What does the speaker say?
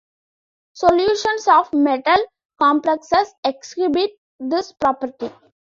Solutions of metal complexes exhibit this property.